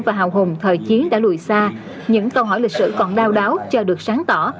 và hào hùng thời chiến đã lùi xa những câu hỏi lịch sử còn đau đáu chưa được sáng tỏ